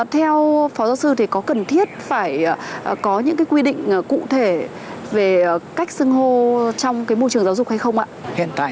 theo phó giáo sư thì có cần thiết phải có những cái quy định cụ thể về cách xưng hô trong cái môi trường giáo dục hay không ạ